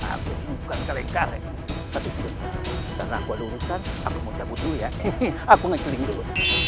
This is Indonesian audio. aku juga keren keren karena aku ada urusan aku mau cabut dulu ya aku naik kelingin dulu